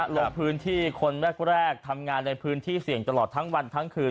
ลงพื้นที่คนแรกทำงานในพื้นที่เสี่ยงตลอดทั้งวันทั้งคืน